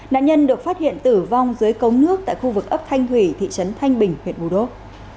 nạn nhân được phát hiện tử vong dưới cống nước tại khu vực ấp thanh thủy thị trấn thanh bình huyện bù đốp